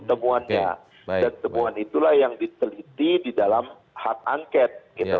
temuannya dan temuan itulah yang diteliti di dalam hak angket